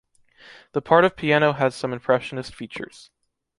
The part of piano has some impressionist features.